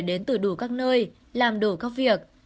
đến từ đủ các nơi làm đủ các việc